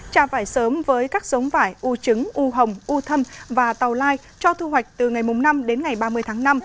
tra vải sớm với các giống vải u trứng u hồng u thâm và tàu lai cho thu hoạch từ ngày năm đến ngày ba mươi tháng năm